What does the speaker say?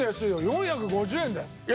４５０円だよ。